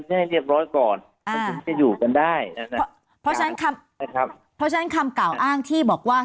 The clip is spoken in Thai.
ได้เรียบร้อยก่อนจะอยู่กันได้เพราะฉะนั้นคำเพราะฉะนั้นคำเก่าอ้างที่บอกว่า